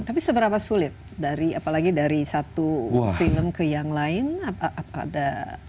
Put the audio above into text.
tapi seberapa sulit dari apalagi dari satu film ke yang lain apa ada